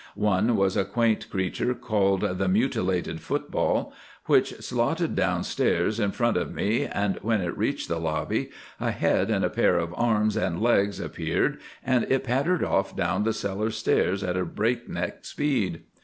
One was a quaint creature called the 'Mutilated Football,' which stotted downstairs in front of me, and when it reached the lobby a head and a pair of arms and legs appeared, and it pattered off down the cellar stairs at a breakneck speed.